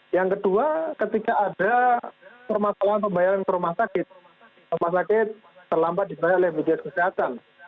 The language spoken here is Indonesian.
yang kedua ketika ada permasalahan pembayaran ke rumah sakit rumah sakit terlambat dibayar oleh bpjs kesehatan